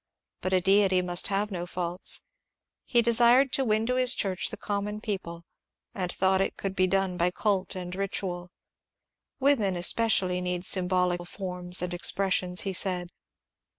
But a deity must have no faults. He desired to win to his church the common people, and thought it could be done by cult and ritual. " Women especially need symbolical forms and expressions," he said.